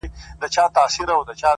خوند كوي دا دوه اشنا.!